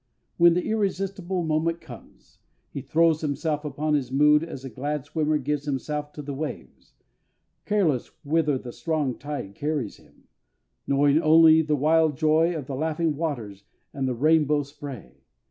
When the irresistible moment comes, he throws himself upon his mood as a glad swimmer gives himself to the waves, careless whither the strong tide carries him, knowing only the wild joy of the laughing waters and the rainbow spray.